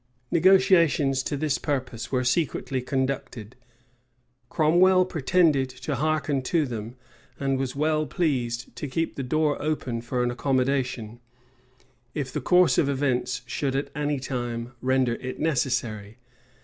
Negotiations to this purpose were secretly conducted. Cromwell pretended to hearken to them and was well pleased to keep the door open for an accommodation, if the course of events should at any time render it necessary.